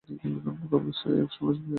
গর্ভাবস্থার এই সময়ে এটা সাধারণ ব্যাপার।